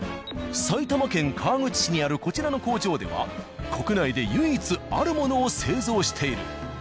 埼玉県川口市にあるこちらの工場では国内で唯一あるものを製造している。